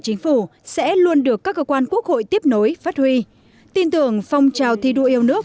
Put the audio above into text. chính phủ sẽ luôn được các cơ quan quốc hội tiếp nối phát huy tin tưởng phong trào thi đua yêu nước